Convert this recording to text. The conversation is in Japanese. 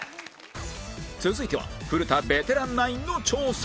続いては古田ベテランナインの挑戦